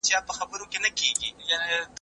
هغه په تياره کوټه کي څه کول؟